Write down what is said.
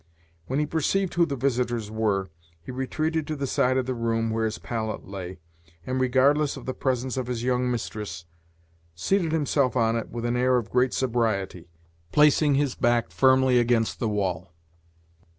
When he perceived who the visitors were, he retreated to the side of the room where his pallet lay, and, regardless of the presence of his young mistress, seated himself on it with an air of great sobriety, placing his back firmly against the wall.